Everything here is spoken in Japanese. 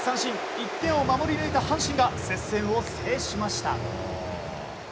１点を守り抜いた阪神が接戦を制しました。